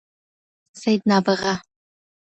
سید نابغه